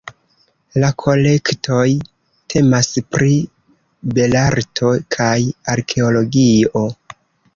La kolektoj temas pri belarto kaj arkeologio.